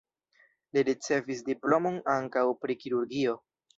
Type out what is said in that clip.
Li ricevis diplomon ankaŭ pri kirurgio.